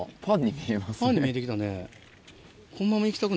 パンに見えてきたね。